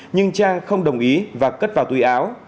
nhưng trang không đồng ý và cất vào túi áo